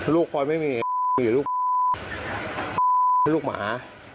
ลูกคนไม่มีมีลูกลูกหมา